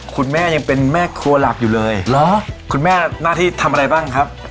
คุณแม่ยังเป็นแม่ครัวหลักอยู่เลยเหรอคุณแม่หน้าที่ทำอะไรบ้างครับ